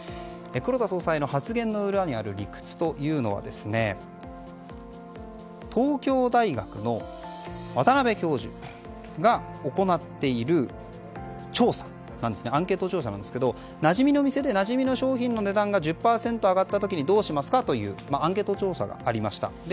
黒田総裁の発言の裏にある理屈というのは東京大学の渡辺教授が行っているアンケート調査なんですけどなじみの店でなじみの商品の値段が１０％上がった時にどうしますかというアンケート調査がありました。